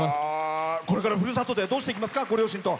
これからふるさとでどうしていきますか？